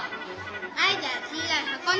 アイデアはきいろいはこに！